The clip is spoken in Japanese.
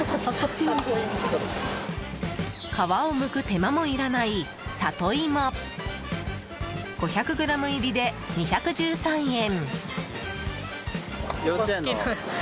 皮をむく手間もいらないさといも５００ｇ入りで２１３円。